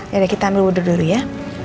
yaudah kita ambil budur dulu ya